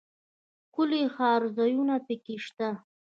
ښکلي ښکارځایونه پکښې شته.